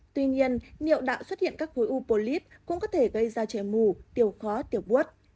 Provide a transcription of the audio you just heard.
tuy nhiên nhiệm đạo xuất hiện các khối u bồ lít cũng có thể gây ra trẻ mù tiểu khó tiểu bút